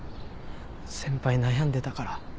先輩悩んでたから。